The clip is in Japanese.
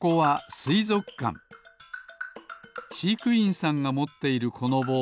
しいくいんさんがもっているこのぼう。